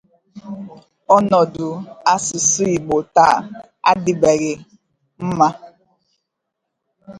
Ọnọdụ asụsụ Igbo taa adịbeghị mma